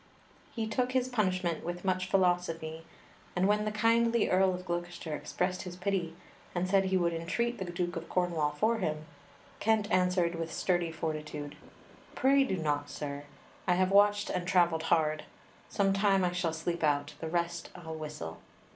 He took his punishment with much philosophy, and when the kindly Earl of Gloucester expressed his pity, and said he would entreat the Duke of Cornwall for him, Kent answered with sturdy fortitude: "Pray do not, sir; I have watched and travelled hard; some time I shall sleep out, the rest I'll whistle."